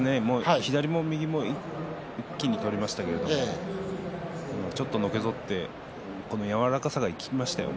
右も左も一気に取りましたけどちょっと、のけぞって柔らかさが生きましたよね